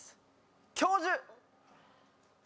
教授。